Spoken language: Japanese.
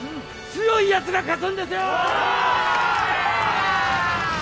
強いやつが勝つんですよ！